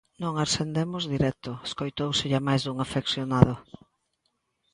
"Non ascendemos directo", escoitóuselle a máis dun afeccionado.